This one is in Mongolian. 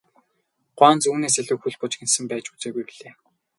Гуанз үүнээс илүү хөл бужигнасан байж үзээгүй билээ.